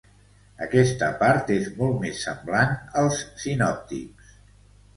Aquesta part és molt més semblant als sinòptics.